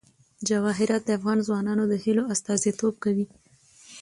جواهرات د افغان ځوانانو د هیلو استازیتوب کوي.